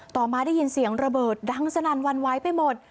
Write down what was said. ต่อมาได้ยินเสียงระเบิดดังสนั่นวันไหวไปหมด